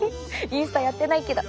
インスタやってないけど。